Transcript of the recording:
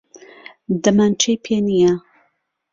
دەمانچەی پێ نییە.